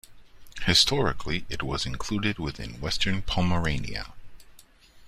Historically, it was included within Western Pomerania.